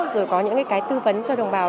rồi có những tư vấn cho đồng bào